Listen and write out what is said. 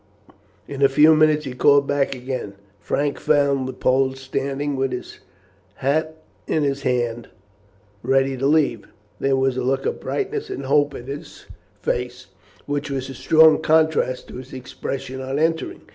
In a few minutes he called him back again. Frank found the Pole standing with his hat in his hand ready to leave. There was a look of brightness and hope in his face, which was a strong contrast to his expression on entering.